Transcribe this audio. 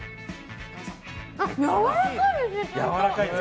あ、やわらかいですね。